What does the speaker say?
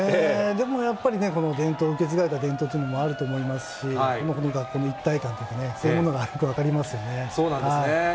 でもやっぱりね、受け継がれた伝統というのもあると思いますし、この学校の一体感というのかね、そういうものがあると分かりますそうなんですね。